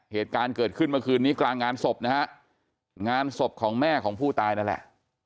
เหตุการณ์เกิดขึ้นเมื่อคืนนี้กลางงานศพนะฮะงานศพของแม่ของผู้ตายนั่นแหละ